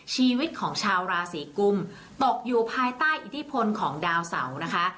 ชีวิตของชาวราศีกุมตกอยู่ภายใต้อิทธิพลของดาวเสานะคะ